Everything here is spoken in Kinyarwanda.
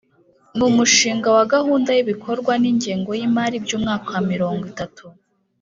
n umushinga wa gahunda y ibikorwa n ingengo y imari by umwaka wa mirongo itatu